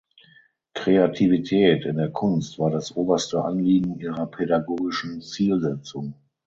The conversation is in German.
Kreativität in der Kunst war das oberste Anliegen ihrer pädagogischen Zielsetzung.